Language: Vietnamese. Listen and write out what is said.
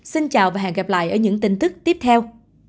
xin chào và hẹn gặp lại ở những tin tức tiếp theo